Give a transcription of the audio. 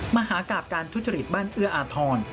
มหากราบการทุจริตบ้านเอื้ออาทร